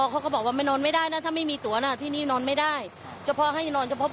เขาบอกว่าโอ้โหแต่ไม่กล้าเข้าไปยุ่งหรอก